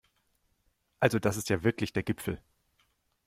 Also das ist ja wirklich der Gipfel!